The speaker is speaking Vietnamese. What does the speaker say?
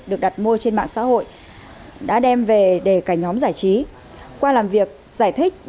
được đặt mua trên mạng xã hội đã đem về để cả nhóm giải trí qua làm việc giải thích